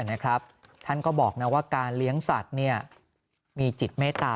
นะครับท่านก็บอกนะว่าการเลี้ยงสัตว์เนี่ยมีจิตไม่